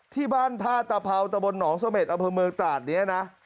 ที่บ้านท่าตะเภาตะบนหนองเสม็ดอำเภอเมืองตราดนี้นะ